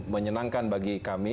menyenangkan bagi kami